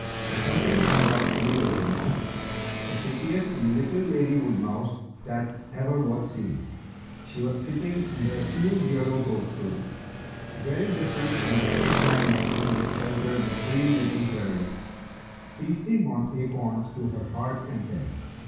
The something turned out to be a woodmouse, the prettiest little lady woodmouse that ever was seen. She was sitting under a huge yellow toadstool, (very different from the pink lined mushroom which sheltered the three little fairies,) feasting on acorns to her heart's content.